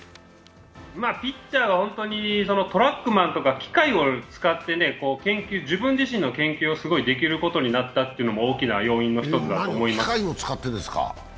ピッチャーが本当にトラックマンとか機械を使って自分自身の研究をすごいできるようになったのも大きな要因の一つだと思います。